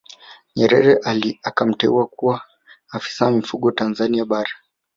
Nyerere akamteua kuwa Afisa Mifugo Tanzania Bara